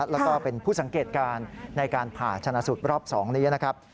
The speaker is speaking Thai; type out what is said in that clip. แล้วก็เป็นผู้สังเกตการณ์ในการผ่าชนะสูตรรอบ๒นี้นะครับ